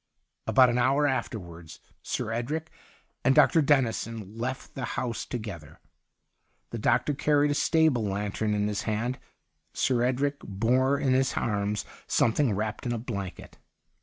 ' About an hour afterwards Sir Edric and Dr. Dennison left the house together. The doctor carried a stable lantern in his hand. Sir Edric bore in his arms something wrapped in a blanket.